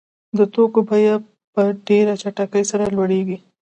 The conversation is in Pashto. د توکو بیه په ډېره چټکۍ سره لوړېږي